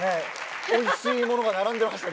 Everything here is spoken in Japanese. おいしいものが並んでました。